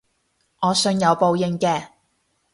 我信有報應嘅